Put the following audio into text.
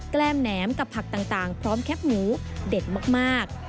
ล้มแหนมกับผักต่างพร้อมแคปหมูเด็ดมาก